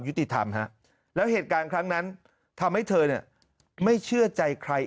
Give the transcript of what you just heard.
ยุติธรรมฮะแล้วเหตุการณ์ครั้งนั้นทำให้เธอเนี่ยไม่เชื่อใจใคร